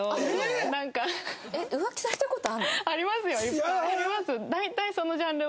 いっぱいあります。